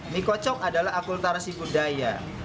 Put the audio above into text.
mie kocok adalah akulturasi budaya